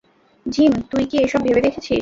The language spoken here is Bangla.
জিম, তুই কি এসব ভেবে দেখেছিস?